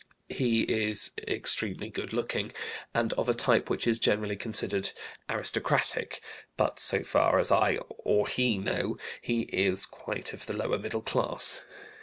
He is extremely good looking, and of a type which is generally considered 'aristocratic,' but so far as I (or he) know, he is quite of the lower middle class.